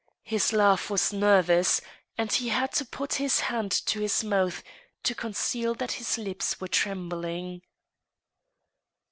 His laugh was nervous, and he had to put his hand to his mouth to conceal that his lips were trembling.